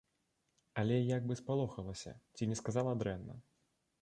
Але як бы спалохалася, ці не сказала дрэнна.